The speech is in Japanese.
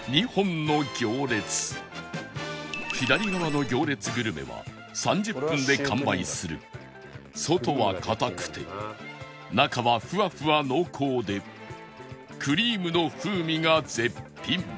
左側の行列グルメは３０分で完売する外は硬くて中はふわふわ濃厚でクリームの風味が絶品